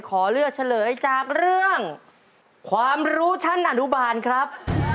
ขอเลือกเฉลยจากเรื่องความรู้ชั้นอนุบาลครับ